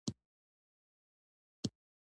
ساتنه او پالنه د پرمختګ نښه ده.